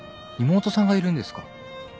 妹さんがいるんですか？